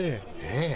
ええ。